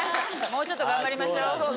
もうちょっと頑張りましょう。